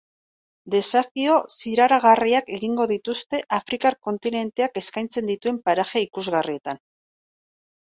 Desafio zirraragarriak egingo dituzte afrikar kontinenteak eskaintzen dituen paraje ikusgarrietan.